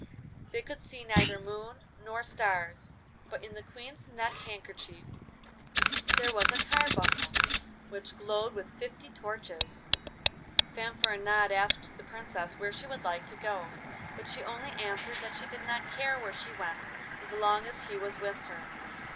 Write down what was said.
They could see neither moon nor stars, but in the Queen's neck handkerchief there was a carbuncle which glowed like fifty torches. Fanfaronade asked the Princess where she would like to go, but she only answered that she did not care where she went as long as he was with her.